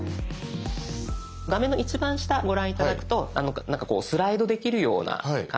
画面の一番下ご覧頂くとこうスライドできるような感じになってますよね。